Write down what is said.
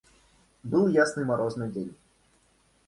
Был ясный морозный день.